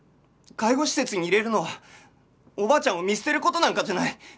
介護施設に入れるのはおばあちゃんを見捨てる事なんかじゃない！